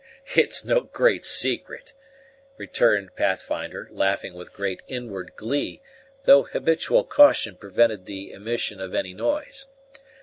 "It's no great secret," returned Pathfinder, laughing with great inward glee, though habitual caution prevented the emission of any noise.